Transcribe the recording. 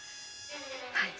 はい。